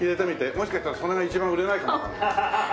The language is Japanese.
もしかしたらそれが一番売れないかもわかんない。